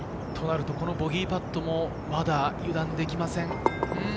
このボギーパットもまだ油断できません。